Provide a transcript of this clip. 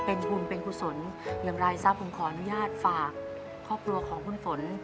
เป็นทุนเป็นกุศลอย่างไรซะผมขออนุญาตฝากครอบครัวของคุณฝน